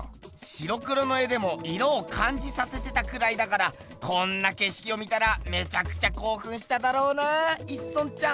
白黒の絵でも色をかんじさせてたくらいだからこんなけしきを見たらめちゃくちゃこうふんしただろうな一村ちゃん。